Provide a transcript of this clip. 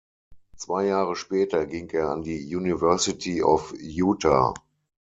Zwei Jahre später ging er an die University of Utah.